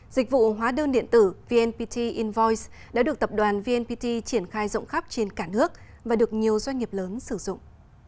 dịch vụ hóa đơn điện tử vnpt invoice đã được tập đoàn vnpt triển khai rộng khắp trên cả nước và được nhiều doanh nghiệp lớn sử dụng